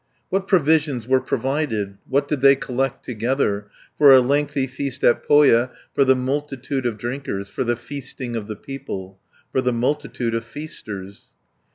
10 What provisions were provided, What did they collect together, For a lengthy feast at Pohja, For the multitude of drinkers, For the feasting of the people, For the multitude of feasters?